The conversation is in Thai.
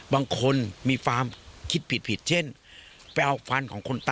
บางคนมีความคิดผิดเช่น